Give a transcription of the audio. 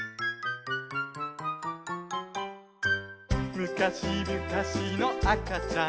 「むかしむかしのあかちゃんが」